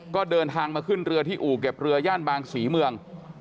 ก็เดินทางมาขึ้นเรือที่อู่เก็บเรือย่านบางศรีเมือง